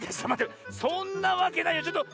そんなわけないよちょっと！